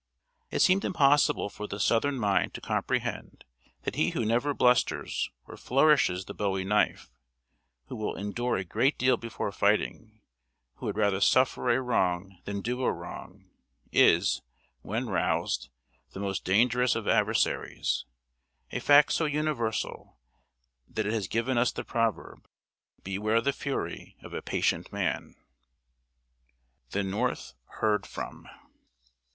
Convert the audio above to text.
It seemed impossible for the southern mind to comprehend that he who never blusters, or flourishes the bowie knife, who will endure a great deal before fighting, who would rather suffer a wrong than do a wrong, is, when roused, the most dangerous of adversaries a fact so universal, that it has given us the proverb, "Beware the fury of a patient man." [Sidenote: THE NORTH HEARD FROM.